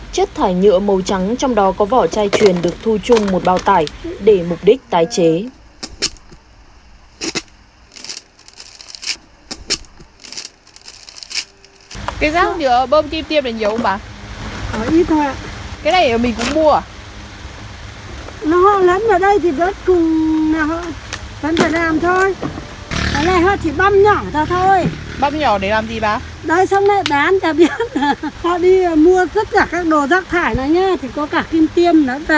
chất thải nhựa màu trắng trong đó có vỏ chai truyền được thu chung một bao tải để mục đích tái chế